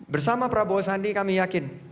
bersama prabowo sandi kami yakin